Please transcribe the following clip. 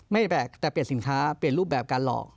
แต่เปลี่ยนสินค้าเปลี่ยนรูปแบบการหลอก